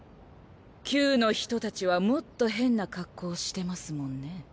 「Ｑ」の人たちはもっと変な格好してますもんね。